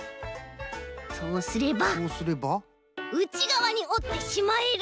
そうすればうちがわにおってしまえる！